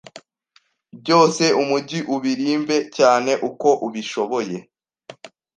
Byose Umujyi ubirimbe cyane uko ubishoboye,